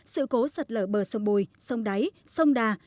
sự cố sạt lở bờ sông bùi sông đáy sông đà